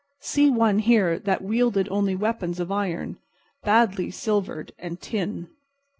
See one here that wielded only weapons of iron, badly silvered, and tin.